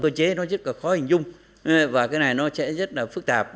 cơ chế nó rất là khó hình dung và cái này nó sẽ rất là phức tạp